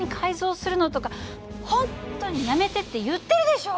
本当にやめてって言ってるでしょ！